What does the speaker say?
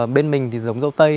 bên mình thì dống dâu tây